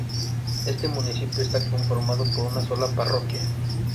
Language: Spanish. Éste municipio está conformado por una sola parroquia.